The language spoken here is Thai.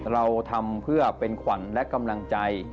เราทำเพื่อเป็นขวัญและกำลังใจ